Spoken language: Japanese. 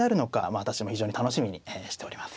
私も非常に楽しみにしております。